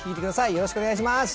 よろしくお願いします